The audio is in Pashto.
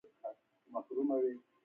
"هر مېږي ته قصه وایم د بلقیس او سلیمان".